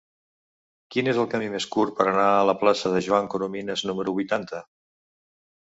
Quin és el camí més curt per anar a la plaça de Joan Coromines número vuitanta?